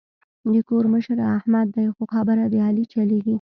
د کور مشر احمد دی خو خبره د علي چلېږي.